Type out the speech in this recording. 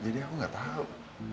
jadi aku nggak tahu